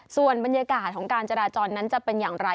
ส่วนบรรยากาศของการจราจรนั้นจะเป็นอย่างไร